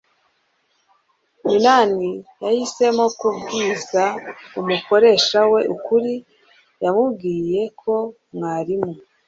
minani yahisemo kubwiza umukoresha we ukuri. yamubwiye ko mwarimu